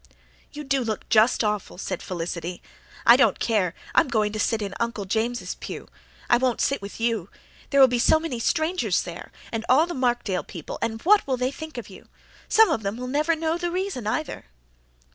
"You do look just awful," said Felicity. "I don't care I'm going to sit in Uncle James' pew. I WON'T sit with you. There will be so many strangers there, and all the Markdale people, and what will they think of you? Some of them will never know the reason, either."